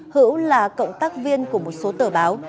hữu là cộng tác viên của một số tờ báo